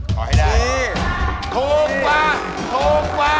ขอให้ดาย